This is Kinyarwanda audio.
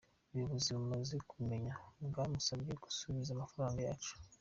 Ubuyobozi bumaze kubimenya bwamusabye kusubiza amafaranga yacu.